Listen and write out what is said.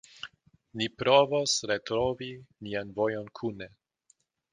Ni provos retrovi nian vojon kune.